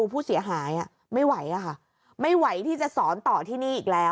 ผู้เสียหายไม่ไหวค่ะไม่ไหวที่จะสอนต่อที่นี่อีกแล้ว